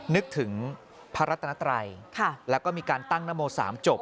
นึกถึงพระรัตนัตรัยแล้วก็มีการตั้งนโม๓จบ